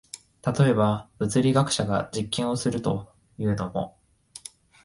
例えば、物理学者が実験をするというのも、